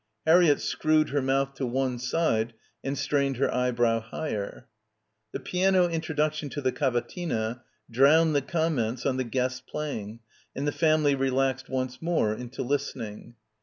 Harriett screwed her mouth to one side and strained her eyebrow higher. The piano introduction to the Cavatina drowned the comments on the guest's playing and the family relaxed once more into listening.